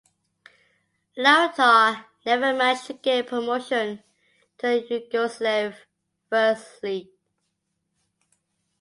Leotar never managed to gain promotion to the Yugoslav First League.